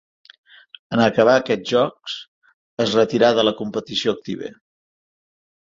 En acabar aquests Jocs es retirà de la competició activa.